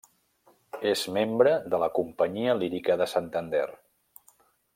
És membre de la Companyia Lírica de Santander.